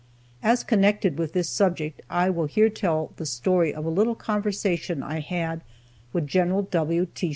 As connected with this subject, I will here tell the story of a little conversation I had with Gen. W. T.